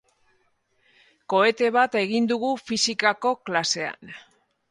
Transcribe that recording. Kohete bat egin dugu fisikako klasean.